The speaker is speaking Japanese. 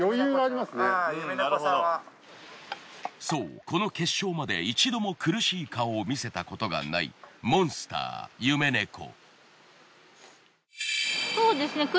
そうこの決勝まで一度も苦しい顔を見せたことがないモンスター夢猫。